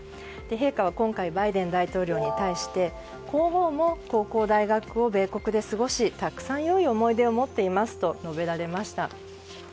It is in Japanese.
陛下は今回バイデン大統領に対して皇后も高校・大学を米国で過ごしたくさん良い思い出を持っていますと述べられました。